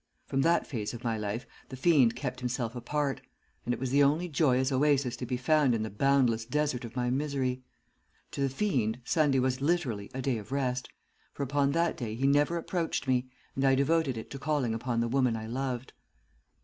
From that phase of my life the fiend kept himself apart, and it was the only joyous oasis to be found in the boundless desert of my misery. To the fiend, Sunday was literally a day of rest, for upon that day he never approached me, and I devoted it to calling upon the woman I loved.